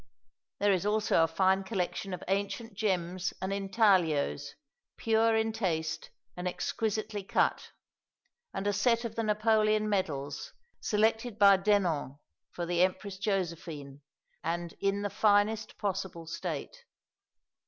There is also a fine collection of ancient gems and intaglios, pure in taste and exquisitely cut, and a set of the Napoleon medals, selected by Denon for the Empress Josephine, and in the finest possible state.